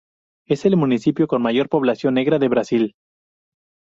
Es el municipio con mayor población negra del Brasil.